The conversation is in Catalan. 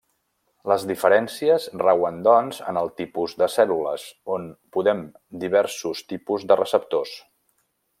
Les diferències rauen doncs, en el tipus de cèl·lules, on podem diversos tipus de receptors.